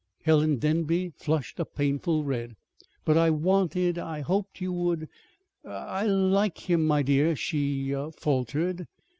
Helen Denby flushed a painful red. "But I wanted I hoped you would er l like him, my dear," she faltered.